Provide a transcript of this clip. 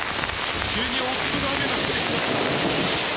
急に大粒の雨が降ってきました。